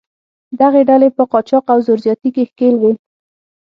دغه ډلې په قاچاق او زور زیاتي کې ښکېل وې.